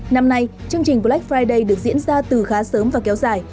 năm nay chương trình black friday được diễn ra từ khá sớm và kéo dài